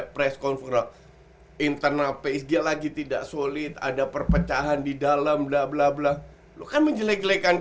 press conference internal psg lagi tidak solid ada perpecahan di dalam blablabla lu kan menjelek jelekan